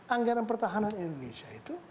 anggaran pertahanan indonesia itu